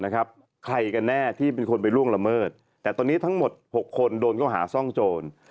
ใครกันแน่ที่เป็นคนไปล่วงละเมิดแต่ตอนนี้ทั้งหมด๖คนโดนเข้าหาซ่องโจร